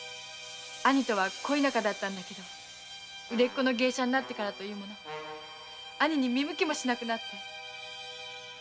兄とは恋仲でしたが売れっ子の芸者になってからは兄に見向きもしなくなって。